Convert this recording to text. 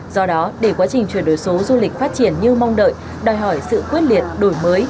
do đó để quá trình chuyển đổi số du lịch phát triển như mong đợi đòi hỏi sự quyết liệt đổi mới